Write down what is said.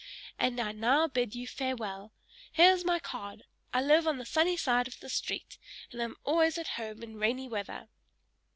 And I now bid you farewell. Here is my card I live on the sunny side of the street, and am always at home in rainy weather!"